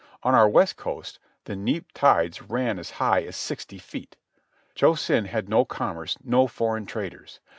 On our west coast the neap tides ran as high as sixty feet. Cho Sen had no commerce, no foreign traders.